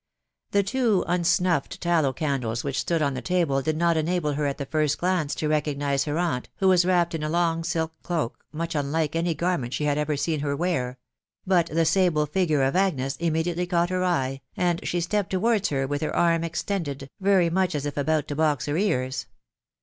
The two unsnufled tallow candles which stood on the table did not enable her at the first glance to recognise her aunt, who was wrapped in a long silk cloak, much unlike any gar ment she had ever seen her wear; but the sable figure of Agnes immediately caught her eye, and she stepped towards her whh her arm extended, very much *& 1$ tfaerox \s> VsOosx c c 2 388 THE WIDOW BARNABY. ears.